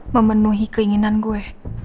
memenuhi keinginan gue